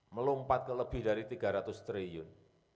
melompat ke lebih dari tiga ratus triliun